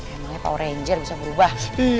emangnya power ranger bisa berubah